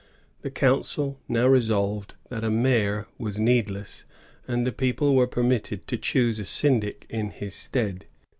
The council now resolved that a mayor was needless, and the people were permitted to choose a syndic in his stead.